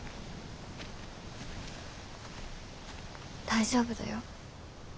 大丈夫だよ。